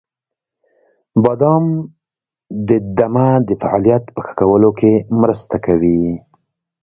• بادام د دمه د فعالیت په ښه کولو کې مرسته کوي.